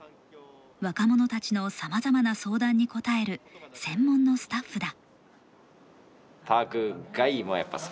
若者たちのさまざまな相談に応える専門のスタッフだ。